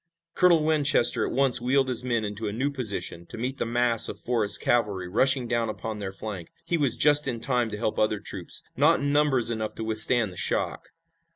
Colonel Winchester at once wheeled his men into a new position to meet the mass of Forrest's cavalry rushing down upon their flank. He was just in time to help other troops, not in numbers enough to withstand the shock.